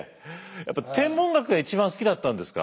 やっぱ天文学が一番好きだったんですか？